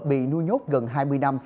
bị nuôi nhốt gần hai mươi năm